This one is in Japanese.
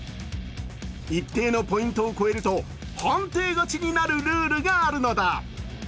一定のポイントを超えると判定勝ちになるルールがあるのだ。